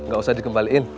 gak usah dikembaliin